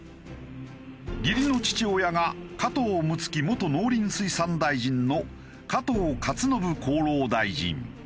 義理の父親が加藤六月元農林水産大臣の加藤勝信厚労大臣。